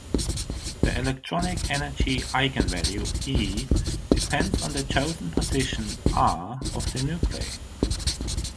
The electronic energy eigenvalue "E" depends on the chosen positions R of the nuclei.